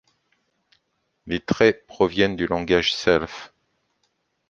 Les traits proviennent du langage Self.